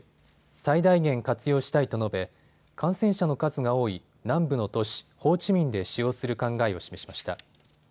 最大限活用したいと述べ、感染者の数が多い南部の都市ホーチミンで使用する考えを示しました。